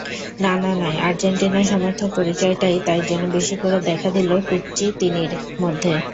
নানা নয়, আর্জেন্টিনা সমর্থক পরিচয়টাই তাই যেন বেশি করে দেখা দিল কুচ্চিতিনির মধ্যে।